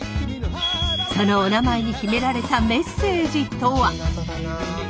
そのおなまえに秘められたメッセージとは？